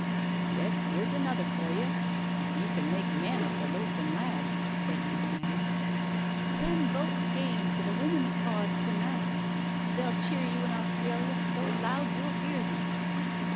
" Yes, 'ere's another for you, if you can make men of the loafin' lads," said another man. 146 NO SURRENDER " Ten votes gained to the Woman's Cause to night. They'll cheer you in Australia so loud you'll hear them."